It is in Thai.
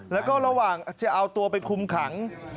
แล้วก็ระหว่างจะเอาตัวไปคุมขัง